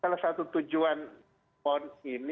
ya salah satu tujuan saya adalah untuk mencapai kondisi